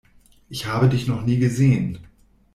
Ich habe dich noch nie gesehen.